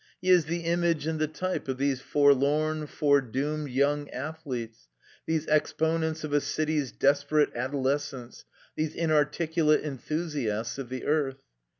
He is the image and the type of these forlorn, foredoomed yotmg athletes, these exponents of a dty's desi)erate adolescence, these inarticulate enthusiasts of the earth.